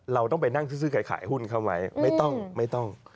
เราต้องไปนั่งซื้อซื้อขายหุ้นเข้าไหมไม่ต้อง